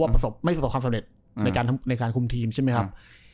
ไม่สำหรับความสำเร็จในการคุมทีมใช่มั้ยครับ